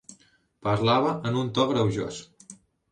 Parlava en un to greujós.